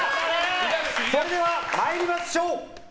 それでは参りましょう。